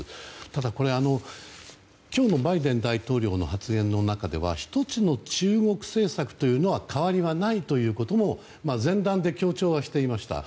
ただ、今日のバイデン大統領の発言の中では１つの中国政策と変わりないというのは前段で強調はしていました。